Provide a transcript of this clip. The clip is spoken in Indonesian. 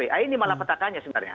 nah ini malah petakannya sebenarnya